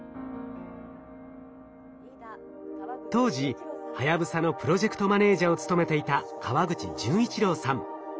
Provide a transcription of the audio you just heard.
当時はやぶさのプロジェクトマネージャを務めていた川口淳一郎さん。